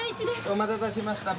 お待たせしました。